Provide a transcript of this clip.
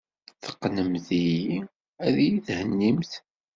Teqqnemt-iyi ad iyi-thennimt.